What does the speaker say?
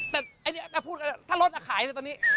แต่ถ้ารถขายเลยตอนนี้